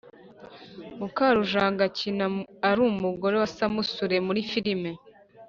Mukarujanga akina ari umugore wasamusure muri filime